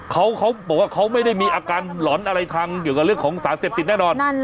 เขาบอกว่าเขาไม่ได้มีอาการหลอนอะไรทางเกี่ยวกับเรื่องของสารเสพติดแน่นอน